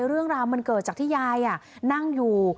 เรื่องราวมันเกิดจากที่ยายนั่งอยู่